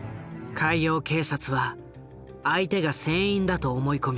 海洋警察は相手が船員だと思い込み